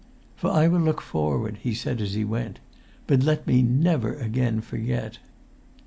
"For I will look forward," he said as he went. "But let me never again forget!"